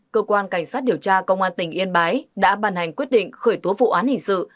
cơ quan cảnh sát điều tra công an tỉnh yên bái đã bàn hành quyết định khởi tố vụ án hình sự